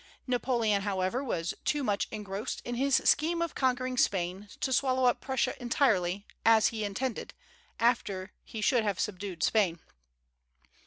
Napoleon, however, was too much engrossed in his scheme of conquering Spain, to swallow up Prussia entirely, as he intended, after he should have subdued Spain.